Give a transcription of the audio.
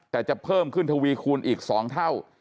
แต่จะเพิ่มขึ้นทวีคูณอีก๒เท่า